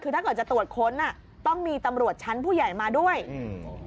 คือถ้าเกิดจะตรวจค้นอ่ะต้องมีตำรวจชั้นผู้ใหญ่มาด้วยอืม